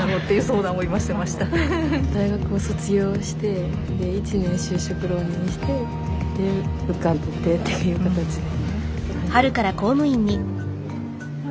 大学を卒業してで１年就職浪人してで受かってっていう形で。